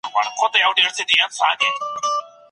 ډنګر کسان عضلات له لاسه ورکوي.